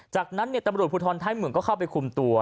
จากนั้นตำรวจภูทรท้ายเหมืองก็เข้าไปคุมตัว